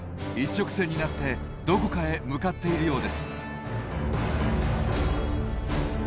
一直線になってどこかへ向かっているようです。